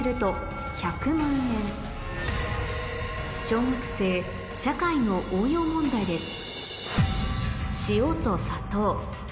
小学生社会の応用問題です